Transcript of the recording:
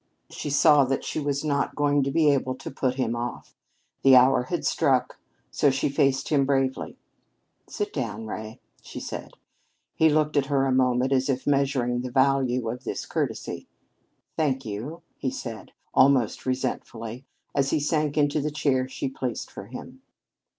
She saw that she was not going to be able to put him off. The hour had struck. So she faced him bravely. "Sit down, Ray," she said. He looked at her a moment as if measuring the value of this courtesy. "Thank you," he said, almost resentfully, as he sank into the chair she placed for him.